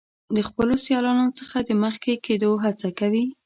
د خپلو سیالانو څخه د مخکې کیدو هڅه کوي.